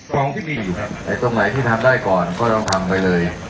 ตรงไหนที่ที่ทำได้ก่อนก็ต้องทำไปเลย